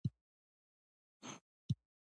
ولې د ښځو خپل فرض حق نه ورکول کیږي؟